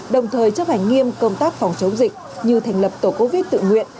đồng thời chấp hành nghiêm công tác phòng chống dịch như thành lập tổ covid tự nguyện